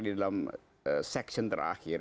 di dalam seksion terakhir